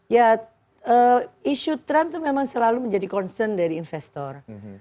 ya isu trump itu memang selalu menjadi concern dari investor